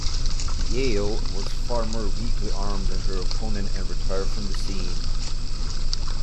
"Yale" was far more weakly armed than her opponent and retired from the scene.